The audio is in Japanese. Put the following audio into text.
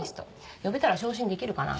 呼べたら昇進できるかな？